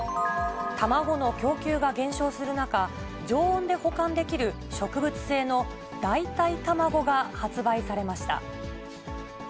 卵の供給が減少する中、常温で保管できる植物性の代替卵が発売されました。